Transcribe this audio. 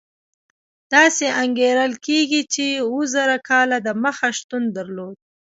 داسې انګېرل کېږي چې اوه زره کاله دمخه شتون درلود.